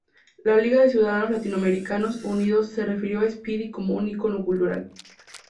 La Liga de ciudadanos latinoamericanos unidos se refirió a Speedy como un "ícono cultural".